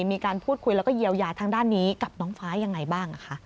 มีการพูดคุยแล้วก็เยียวยาทางด้านนี้กับน้องฟ้ายังไงบ้าง